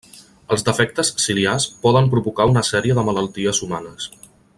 Els defectes ciliars poden provocar una sèrie de malalties humanes.